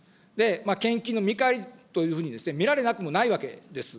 献金の見返りというふうに見られなくもないわけです。